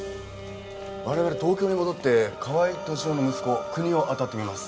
我々東京に戻って河合敏夫の息子久仁雄を当たってみます。